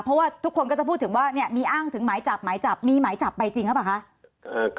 เพราะว่าทุกคนก็จะพูดถึงว่าเนี่ยมีอ้างถึงหมายจับหมายจับมีหมายจับไปจริงหรือเปล่าคะ